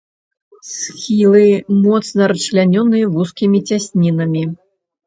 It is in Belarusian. Схілы моцна расчлянёныя вузкімі цяснінамі.